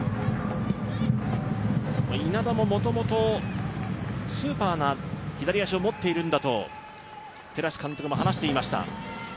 稲田ももともとスーパーな左足を持っているんだと、寺師監督も話していました。